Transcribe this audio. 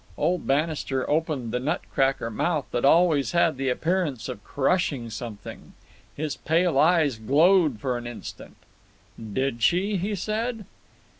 Old Bannister opened the nut cracker mouth that always had the appearance of crushing something. His pale eyes glowed for an instant. "Did she?" he said.